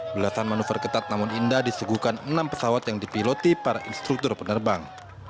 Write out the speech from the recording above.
belasan manuver ketat namun indah disuguhkan enam pesawat yang dipiloti para instruktur penerbang